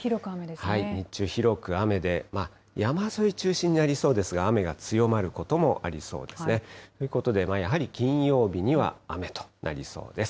日中広く雨で、山沿いを中心になりそうですが、雨が強まることもありそうですね。ということで、やはり金曜日には雨となりそうです。